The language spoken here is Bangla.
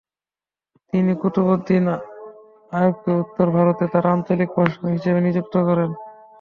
তিনি কুতুবউদ্দিন আইবেককে উত্তর ভারতে তার আঞ্চলিক প্রশাসক হিসেবে নিযুক্ত করেন।